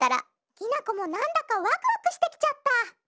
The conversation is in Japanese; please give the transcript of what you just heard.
きなこもなんだかわくわくしてきちゃった。